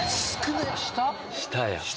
下や。